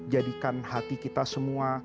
jadikan hati kita semua